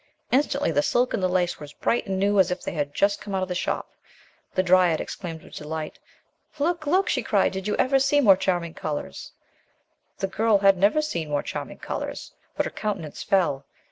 Instantly the silk and the lace were as bright and new as if they had just come out of the shop. The dryad ex claimed with delight. "Look! look!" she cried, "did you ever see more charming colors?" The girl had never seen more charmingcolors, but her countenance fell.